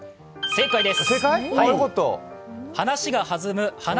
正解です。